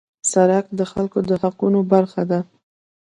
سړک د خلکو د حقونو برخه ده.